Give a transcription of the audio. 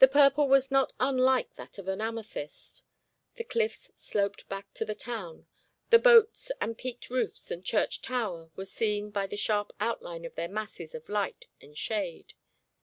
The purple was not unlike that of an amethyst. The cliffs sloped back to the town; the boats and peaked roofs and church tower were seen by the sharp outline of their masses of light and shade.